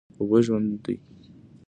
اوبه ژوند دی؟